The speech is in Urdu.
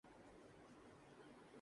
جو آیا شرمندہ ہو کے گیا۔